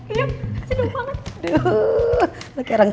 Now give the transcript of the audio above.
iya sedung banget